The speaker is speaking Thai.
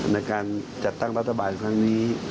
ในการจัดตั้งภาษาบาลในครั้งนี้